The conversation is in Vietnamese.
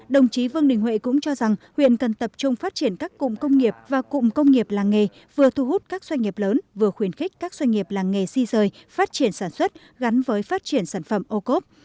đồng chí vương đình huệ cũng cho rằng huyện cần tập trung phát triển các cụm công nghiệp và cụm công nghiệp làng nghề vừa thu hút các doanh nghiệp lớn vừa khuyến khích các doanh nghiệp làng nghề si rời phát triển sản xuất gắn với phát triển sản phẩm ô cốp